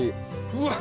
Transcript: うわ！